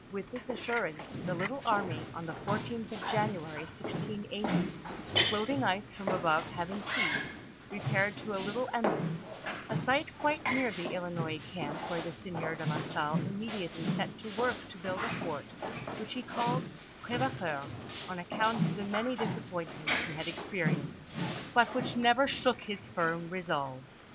"Witii this assurance the little army, on the 14th of January, 1680, the floating ice from above having ceased, repaired to a little eminence, a site quite near the Ilinois camp where the Sieur de la Salle immediately set to work to build a fort, which he called Cr^vecoeur, on account of the many disap pointments he had experienced, but which never shook his firm resolve.